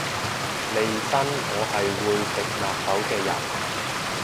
利申我係會食納豆嘅人